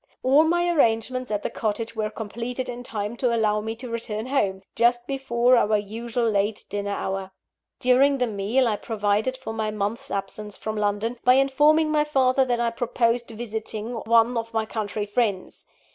All my arrangements at the cottage were completed in time to allow me to return home, just before our usual late dinner hour. During the meal, I provided for my month's absence from London, by informing my father that I proposed visiting one of my country friends.